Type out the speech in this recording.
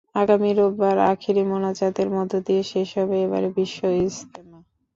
আগামী রোববার আখেরি মোনাজাতের মধ্য দিয়ে শেষ হবে এবারের বিশ্ব ইজতেমা।